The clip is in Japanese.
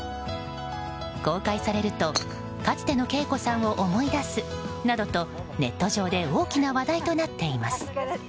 公開されるとかつてのＫＥＩＫＯさんを思い出すなどと、ネット上で大きな話題となっています。